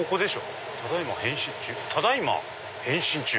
「ただいま、変身中。」。